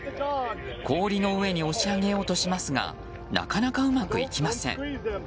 氷の上に押し上げようとしますがなかなかうまくいきません。